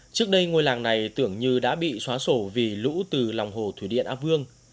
trước đây ngôi làng này tưởng như đã bị xóa sổ vì lũ từ lòng hồ thủy điện a vương